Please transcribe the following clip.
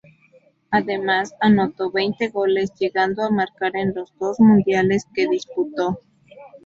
Además anotó veinte goles, llegando a marcar en los dos mundiales que disputó.